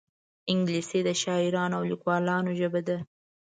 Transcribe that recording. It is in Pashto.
انګلیسي د شاعرانو او لیکوالانو ژبه ده